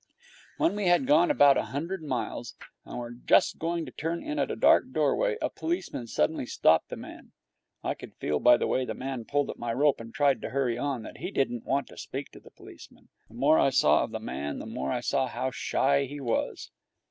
When we had gone about a hundred miles and were just going to turn in at a dark doorway, a policeman suddenly stopped the man. I could feel by the way the man pulled at my rope and tried to hurry on that he didn't want to speak to the policeman. The more I saw of the man the more I saw how shy he was.